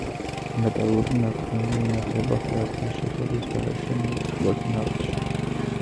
მეტალური ნატრიუმი ინახება ჰაერთან შეხების გარეშე, მეტწილად ნავთში.